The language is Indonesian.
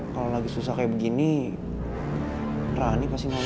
kalau lagi susah kayak begini rani pasti nanya